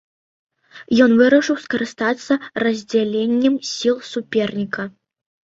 Ён вырашыў скарыстацца раздзяленнем сіл суперніка.